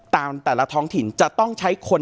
แต่ละท้องถิ่นจะต้องใช้คน